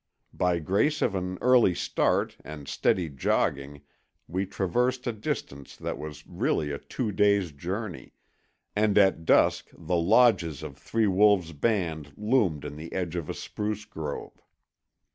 By grace of an early start and steady jogging we traversed a distance that was really a two days' journey, and at dusk the lodges of Three Wolves' band loomed in the edge of a spruce grove.